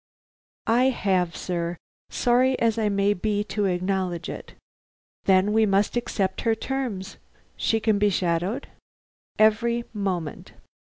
"I have, sir; sorry as I may be to acknowledge it." "Then we must accept her terms. She can be shadowed?" "Every moment."